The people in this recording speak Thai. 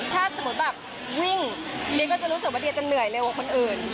ถ้าสมมุติแบบวิ่งเดียก็จะรู้สึกว่าเดียจะเหนื่อยเร็วกว่าคนอื่น